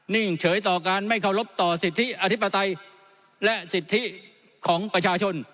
่งเฉยต่อการไม่เคารพต่อสิทธิอธิปไตยและสิทธิของประชาชน